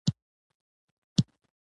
غرمه د ښار د ارامۍ شیبه ده